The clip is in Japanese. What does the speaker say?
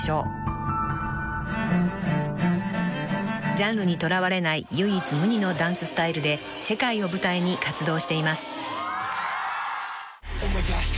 ［ジャンルにとらわれない唯一無二のダンススタイルで世界を舞台に活動しています］